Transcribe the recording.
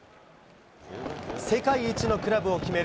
世界一のクラブを決める